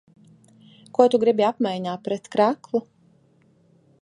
Ko tu gribi apmaiņā pret kreklu?